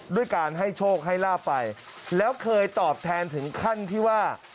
ด้วยการให้โชคให้ลาบไปแล้วเคยตอบแทนถึงขั้นที่ว่า